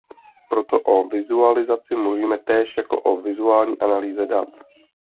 Proto o vizualizaci mluvíme též jako o vizuální analýze dat.